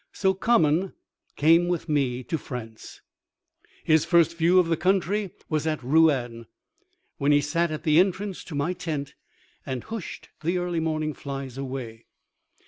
So Common came with me to France. His first view of the country was at Rouen, when he sat at the entrance to my tent and hooshed the early morning flies away.